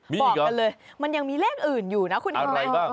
บอกกันเลยมันยังมีเลขอื่นอยู่นะคุณเห็นไหม